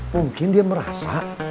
mungkin dia merasa